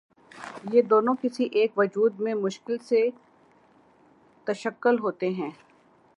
یہ دونوں کسی ایک وجود میں مشکل سے متشکل ہوتے ہیں۔